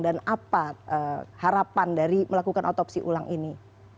dan apa harapan dari melakukan otopsi ulang ini